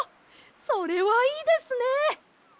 それはいいですね！